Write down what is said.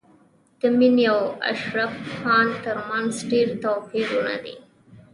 د مينې او اشرف خان تر منځ ډېر توپیرونه دي